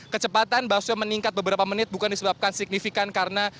kecepatan basyo meningkat beberapa menit bukan disebabkan signifikan karena